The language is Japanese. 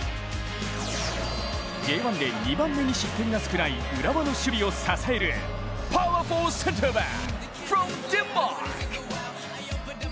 Ｊ１で２番目に失点が少ない浦和の守備を支えるパワフルセンターバック・フロム・デンマーク！